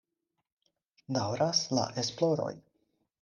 Daŭras la esploroj.